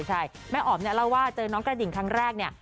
ใช่แม่อ๋อมเนี่ยเล่าว่าเจอน้องกระดิ่งครั้งแรกเนี่ย